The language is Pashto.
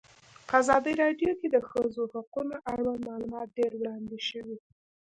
په ازادي راډیو کې د د ښځو حقونه اړوند معلومات ډېر وړاندې شوي.